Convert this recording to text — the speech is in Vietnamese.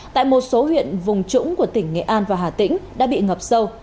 tại một số huyện vùng trũng của tỉnh nghệ an và hà tĩnh đã bị ngập sâu